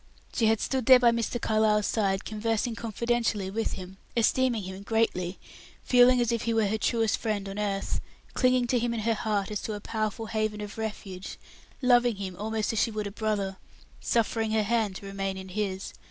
She had stood there by Mr. Carlyle's side conversing confidentially with him, esteeming him greatly, feeling as if he were her truest friend on earth, clinging to him in her heart as to a powerful haven of refuge, loving him almost as she would a brother, suffering her hand to remain in his.